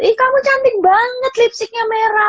ih kamu cantik banget lipsticknya merah